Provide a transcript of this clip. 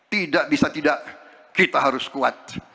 tidak bisa tidak kita harus kuat